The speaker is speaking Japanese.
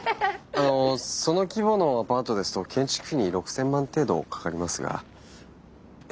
あのその規模のアパートですと建築費に６，０００万程度かかりますが資金の方は？